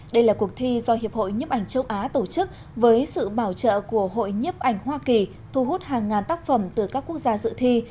đây là cuộc thi do hiệp hội nhếp ảnh châu á tổ chức với sự bảo trợ của hội nhiếp ảnh hoa kỳ thu hút hàng ngàn tác phẩm từ các quốc gia dự thi